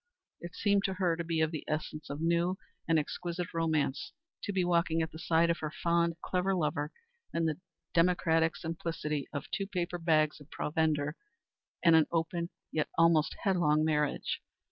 It seemed to her to be of the essence of new and exquisite romance to be walking at the side of her fond, clever lover in the democratic simplicity of two paper bags of provender and an open, yet almost headlong marriage.